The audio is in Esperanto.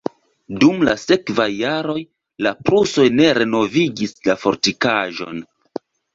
Dum la sekvaj jaroj la prusoj ne renovigis la fortikaĵon.